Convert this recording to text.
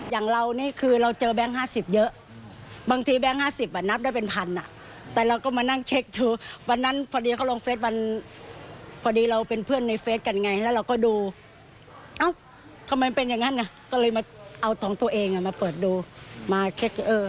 แบงค์ปลอมก็โชคดีไม่ได้โดนน่าจะโดนเฉพาะปากซอยข้างในก็หงวงยังแต่ก็ไม่แน่